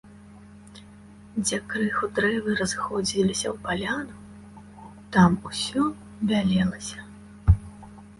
Дзе крыху дрэвы разыходзіліся ў паляну, там усё бялелася.